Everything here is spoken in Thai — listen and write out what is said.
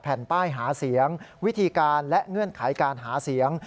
แผ่นป้ายหาเสียงวิธีการและเงื่อนไขการหาเสียง